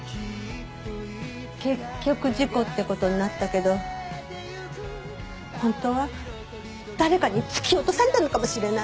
結局事故って事になったけど本当は誰かに突き落とされたのかもしれない。